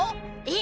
え？